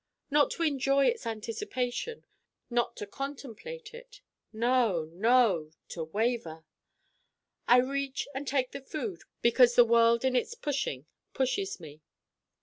Not to enjoy its anticipation: not to contemplate it. No no! To Waver! I reach and take the food because the world in its pushing pushes me.